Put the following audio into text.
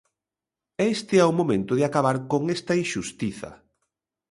E este é momento de acabar con esta inxustiza.